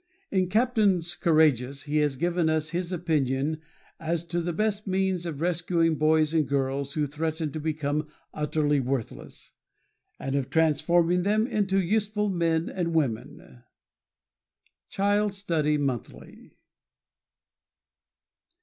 In "Captains Courageous" he has given us his opinion as to the best means of rescuing boys and girls who threaten to become utterly worthless, and of transforming them into useful men and women. _Child Study Monthly.